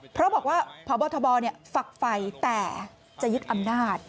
เพราะบอกว่าพบทบฝักไฟแต่จะยึดอำนาจ